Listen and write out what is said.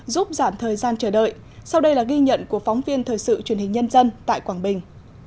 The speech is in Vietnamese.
giúp giảm thời gian chờ đợi sau đây là ghi nhận của phóng viên thời sự truyền hình nhân dân tại quảng bình